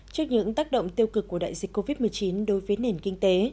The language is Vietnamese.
trước những tác động tiêu cực của đại dịch covid một mươi chín đối với nền kinh tế